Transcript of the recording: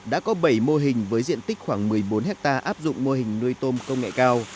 đã có bảy mô hình với diện tích khoảng một mươi bốn hectare áp dụng mô hình nuôi tôm công nghệ cao